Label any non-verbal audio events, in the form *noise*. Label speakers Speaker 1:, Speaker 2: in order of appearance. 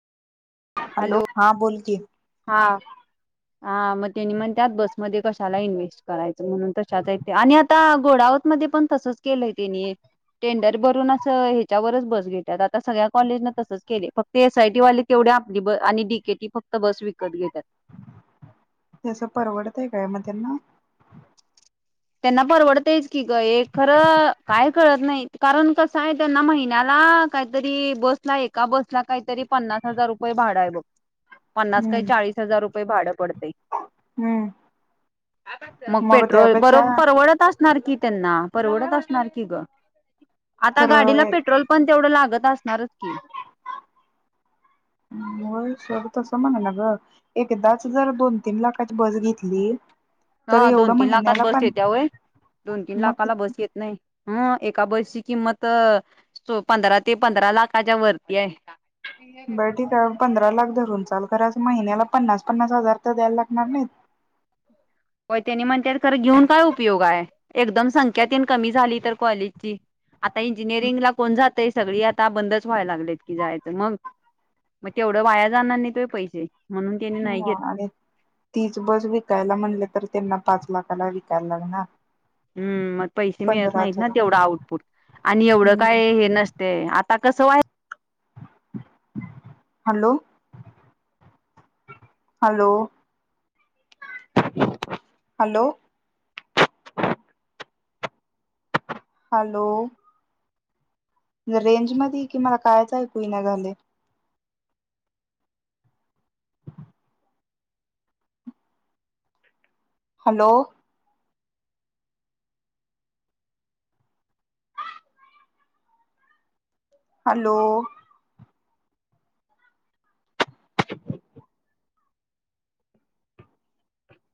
Speaker 1: Hello हां बोल की,
Speaker 2: हा हा मग त्यांनी म्हणतात बसमध्ये कशाला इन्व्हेस्ट करायचं, म्हणून तशाच आहेत त्या आणि आता घोडावत मध्ये पण तसच केलंय त्यानी टेंडर भरून असं ह्याच्यावरच बस घेतात आता सगळ्या कॉलेजनं तसंच केलंय फक्त एसआयटी वाली तेव आपली बस आणि डीकेटी फक्त बस विकत घेत्यात.
Speaker 1: तसं परवडतय काय मग त्यांना?
Speaker 2: त्यांना परवडतयच की ग हे खरं काय कळत नाही, कारण कसं आहे त्यांना महिन्याला हां काहीतरी बसला एका बस ला काहीतरी पन्नास हजार रुपये भाडं आहे बघ, पन्नास काय
Speaker 1: हम्म
Speaker 2: चाळीस हजार रुपये भाडं पड
Speaker 1: हम्म
Speaker 2: मग पेट्रोल बरोब असणार की त्यांना परवडत असणार की ग. आता गाडीला
Speaker 1: खरं
Speaker 2: पेट्रोल पण तेवढं लागत असणारच की?
Speaker 1: होय सोड तसं म्हणाले ग, एकदाच जर दोन तीन लाखाची बस घेतली
Speaker 2: हा
Speaker 1: तर
Speaker 2: दोन
Speaker 1: एवढं
Speaker 2: तीन लाखात
Speaker 1: महिन्याला
Speaker 2: बस
Speaker 1: पण
Speaker 2: येत्या होय? दोन तीन
Speaker 1: मग
Speaker 2: लाखाला
Speaker 1: किती
Speaker 2: बस येत नाही. हम एका बसची किंमत अ पंधरा ते पंधरा लाखाच्या वरती आहे.
Speaker 1: बर ठीक आहे, पंधरा लाख धरून चाल. खर असं महिन्याला पन्नास पन्नास हजार तर द्यायला लागणार नाहीत?
Speaker 2: हो त्यांनी म्हणतात खरं घेऊन काय उपयोग आहे, एकदम संख्या तेन कमी झाली तर कॉलेजची. ता इंजिनिअरिंग ला कोण जातंय सगळी आता बंद व्हाय लागलेत की जायचं, मग मग तेवढं वाया जाणार नाहीत होय पैसे? म्हणून त्यानी नाही घेत
Speaker 1: मग आणि तीच बस विकायला म्हणलं तर त्यांना पाच लाखाला विकायला लागणार.
Speaker 2: हम्म मग पैसे मिळत नाहीत
Speaker 1: पंधराच्या
Speaker 2: ना तेवढं आउटपुट आणि एवढं
Speaker 1: हम्म
Speaker 2: काय हे नसतंय आ त्ता कसं व्हाय
Speaker 1: hello hello hello hello range मध्ये ये कि मला कायच ऐकू ईना झालंय. Hello hello *unintelligible*